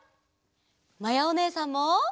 まやおねえさんも。